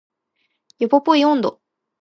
ヨポポイ音頭